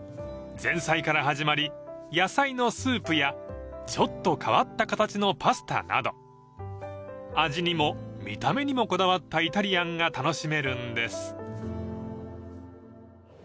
［前菜から始まり野菜のスープやちょっと変わった形のパスタなど味にも見た目にもこだわったイタリアンが楽しめるんです］